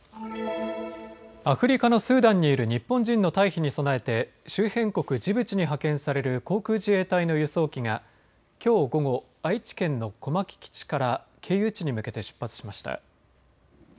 アフリカのスーダンにいる日本人の退避に備えて周辺国、ジブチに派遣される航空自衛隊の輸送機がきょう午後、愛知県の小牧基地から経由地に向けて出発しました。